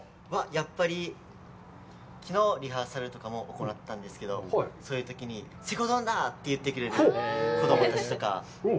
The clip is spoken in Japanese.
やっぱりきのうリハーサルとかも行ったんですけど、そういうときに、“西郷どんだ！”って言ってくれるので、子供たちとか。